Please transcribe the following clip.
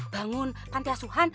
bangun pantai asuhan